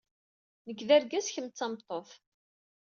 Nekk d argaz, kemm d tameṭṭut.